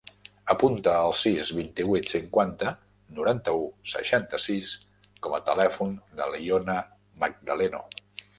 Apunta el sis, vint-i-vuit, cinquanta, noranta-u, seixanta-sis com a telèfon de l'Iona Magdaleno.